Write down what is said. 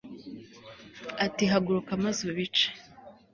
ati haguruka maze ubice